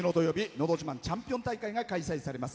「のど自慢チャンピオン大会」が開催されます。